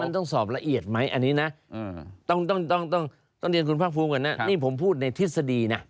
ต้องเรียนคุณภาครักษ์ภูมิก่อนนะนี่ผมพูดในทฤษฎีนะ